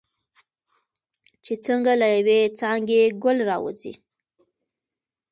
چې څنګه له یوې څانګې ګل راوځي.